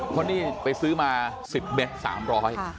คนนี้ไปซื้อมา๑๐เมตร๓๐๐บาท